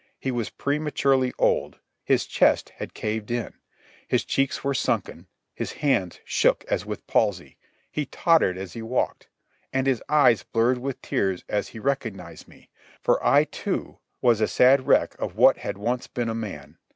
He was prematurely old. His chest had caved in. His cheeks were sunken. His hands shook as with palsy. He tottered as he walked. And his eyes blurred with tears as he recognized me, for I, too, was a sad wreck of what had once been a man.